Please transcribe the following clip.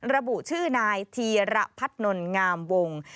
ระบุชื่อนายธีระพัฒนนงามวง